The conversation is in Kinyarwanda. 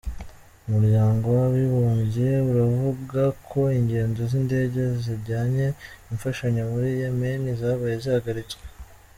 Umuryango w'abibumbye uravuga ko ingendo z'indege zijyanye imfashanyo muri Yemeni zabaye zihagaritswe.